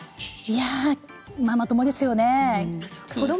ママ友ですよね。